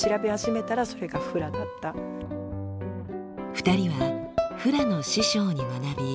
２人はフラの師匠に学び